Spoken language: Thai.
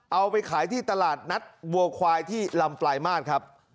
เอาไปขายที่ตลาดนัดวัวควายที่ลำปลายมาตรครับ